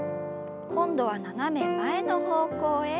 今度は斜め前の方向へ。